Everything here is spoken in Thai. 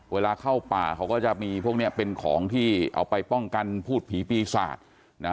เวลาเข้าป่าเขาก็จะมีพวกนี้เป็นของที่เอาไปป้องกันพูดผีปีศาจนะ